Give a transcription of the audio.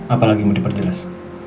apalagi mau diperjelas